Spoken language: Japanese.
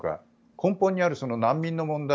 根本にある難民の問題